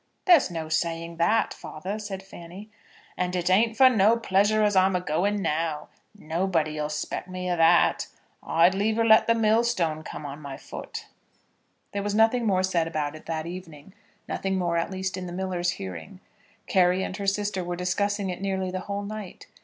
"There's no saying that, father," said Fanny. "And it ain't for no pleasure as I'm agoing now. Nobody 'll s'pect that of me. I'd liever let the millstone come on my foot." There was nothing more said about it that evening, nothing more at least in the miller's hearing. Carry and her sister were discussing it nearly the whole night.